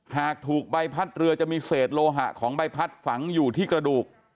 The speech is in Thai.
หากถูกใบพัดเรือจะมีเศษโลหะของใบพัดฝังอยู่ที่กระดูก